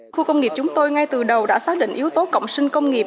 khu công nghiệp chúng tôi ngay từ đầu đã xác định yếu tố cộng sinh công nghiệp